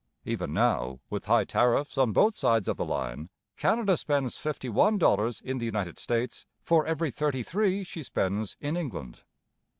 Even now, with high tariffs on both sides of the line, Canada spends fifty one dollars in the United States for every thirty three she spends in England.